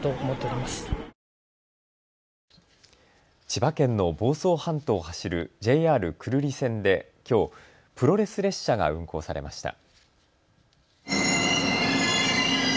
千葉県の房総半島を走るＪＲ久留里線できょう、プロレス列車が運行されました。